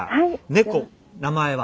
猫名前は？